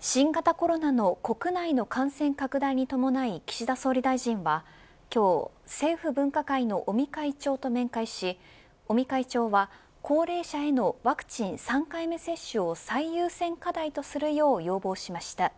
新型コロナの国内の感染拡大に伴い岸田総理大臣は今日、政府分科会の尾身会長と面会し尾身会長は高齢者へのワクチン３回目接種を最優先課題とするよう要望しました。